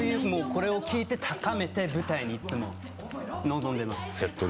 これを聴いて、高めて舞台に臨んでます。